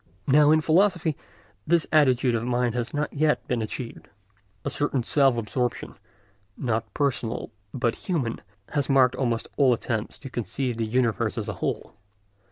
Now in philosophy this attitude of mind has not as yet been achieved. A certain self absorption, not personal, but human, has marked almost all attempts to conceive the universe as a whole.